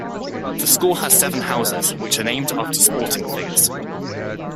The school has seven houses, which are named after sporting figures.